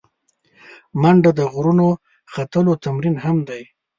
منډه د غرونو ختلو تمرین هم دی